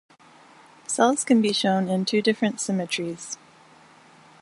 Cells can be shown in two different symmetries.